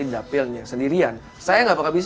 dapilnya sendirian saya nggak bakal bisa